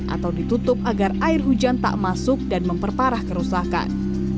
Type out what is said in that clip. atau ditutup agar air hujan tak masuk dan memperparah kerusakan